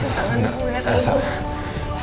lepaslah tanganmu ya asah